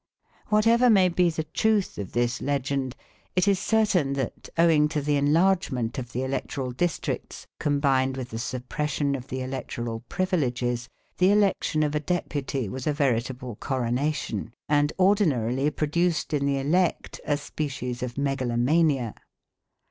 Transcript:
Whatever may be the truth of this legend, it is certain that, owing to the enlargement of the electoral districts, combined with the suppression of the electoral privileges, the election of a deputy was a veritable coronation, and ordinarily produced in the elect a species of megalomania.